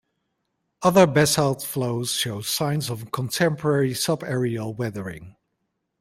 Other basalt flows show signs of contemporary sub-aerial weathering.